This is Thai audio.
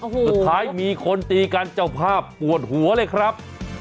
สุดท้ายมีคนตีกันเจ้าภาพปวดหัวเลยครับ